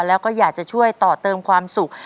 แล้วก็อยากจะช่วยต่อเติมความสุข